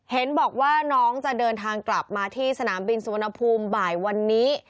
เห็นบอกว่าน้องจะเดินทางกลับมาที่สนามบินสุวรรณภูมิบ่ายวันนี้